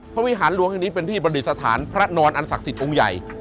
วิหารหลวงแห่งนี้เป็นที่ประดิษฐานพระนอนอันศักดิ์สิทธิ์องค์ใหญ่